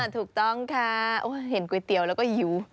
ถูกต้องค่ะเห็นก๋วยเตี๋ยวแล้วก็หิว